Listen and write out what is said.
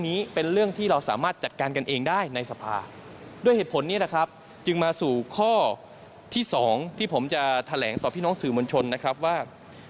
แข่งตามตัวพี่น้องสื่อมนชนนะครับว่า